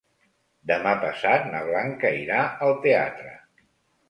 Demà passat na Blanca irà al teatre.